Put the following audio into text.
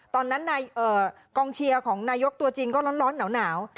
ตอนนั้นกองเชียร์ของนายกตัวจริงก็ร้อนหนาว